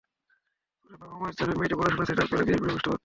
পরে বাবা-মায়ের চাপে মেয়েটি পড়াশোনা ছেড়ে অকালে বিয়ের পিঁড়িতে বসতে বাধ্য হয়।